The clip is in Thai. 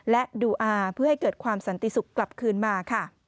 และดูอาเพื่อให้เกิดความสันติสุขกลับคืนมาค่ะ